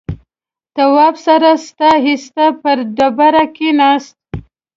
تواب سړه سا ایسته پر ډبره کېناست.